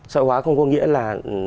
sợi hóa không có nghĩa là